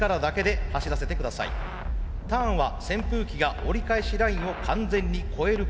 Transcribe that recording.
ターンは扇風機が折り返しラインを完全に越えること。